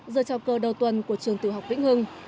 giờ trao cơ đầu tuần của trường tiểu học vĩnh hưng